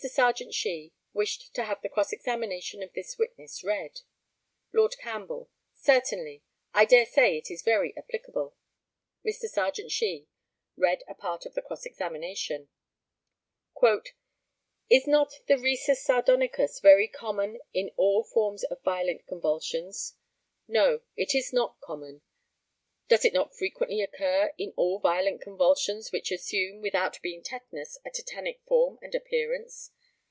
] Mr. Serjeant SHEE wished to have the cross examination of this witness read. Lord CAMPBELL: Certainly. I daresay it is very applicable. Mr. Serjeant SHEE read a part of the cross examination: "Is not the risus sardonicus very common in all forms of violent convulsions? No, it is not common. Does it not frequently occur in all violent convulsions which assume, without being tetanus, a tetanic form and appearance?